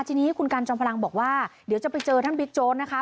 ทีนี้คุณกันจอมพลังบอกว่าเดี๋ยวจะไปเจอท่านบิ๊กโจ๊กนะคะ